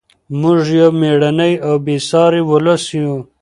موږ یو مېړنی او بې ساري ولس یو.